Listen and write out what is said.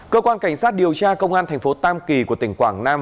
cơ quan cảnh sát điều tra công an thành phố tam kỳ của tỉnh quảng nam